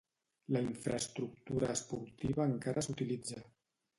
La infraestructura esportiva encara s'utilitza.